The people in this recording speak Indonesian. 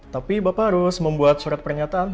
tapi bapak harus membuat surat pernyataan